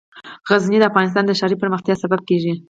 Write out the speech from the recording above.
غزني د افغانستان د ښاري پراختیا سبب کېږي.